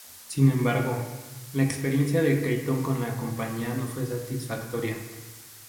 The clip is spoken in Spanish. Sin embargo, la experiencia de Keaton con la compañía no fue satisfactoria.